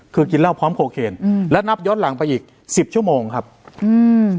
คือกินเหล้าพร้อมโคเคนอืมและนับย้อนหลังไปอีกสิบชั่วโมงครับอืม